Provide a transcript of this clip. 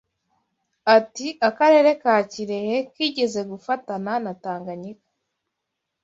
Ati “Akarere ka Kirehe kigeze gufatana na Tanganyika